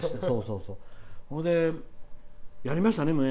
それで、やりましたね